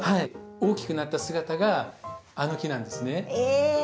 大きくなった姿があの木なんですね。